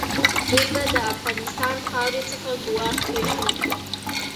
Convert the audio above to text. دوی به د افغانستان خاورې څخه ګواښ پېښ نه کړي.